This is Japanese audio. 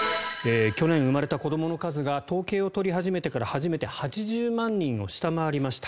去年生まれた子どもの数が統計を取り始めてから初めて８０万人を下回りました。